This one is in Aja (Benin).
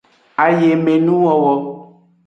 Ayemenuwowo.